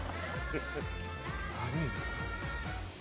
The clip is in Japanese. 何？